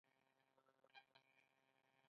ډېرو کارونو د احمد ساه خېژولې ده.